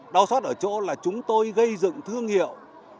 đau xót ở chỗ là chúng tôi gây dựng thương hiệu